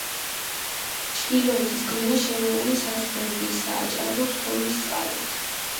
ჩრდილოეთის დვინა შერეული საზრდოობისაა, ჭარბობს თოვლის წყალი.